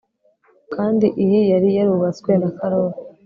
kandi iyi yari yarubatswe na karoli